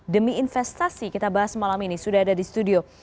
demi investasi kita bahas malam ini sudah ada di studio